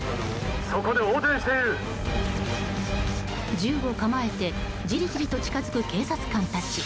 銃を構えてじりじりと近づく警察官たち。